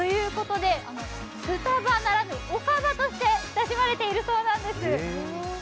スタバならぬおかばとして親しまれているそうなんです。